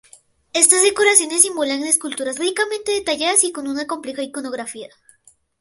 Estas decoraciones simulan esculturas ricamente detalladas y con una compleja iconografía.